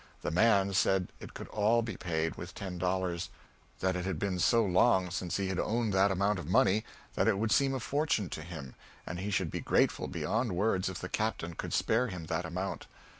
The man said it could all be paid with ten dollars that it had been so long since he had owned that amount of money that it would seem a fortune to him, and he should be grateful beyond words if the Captain could spare him that amount.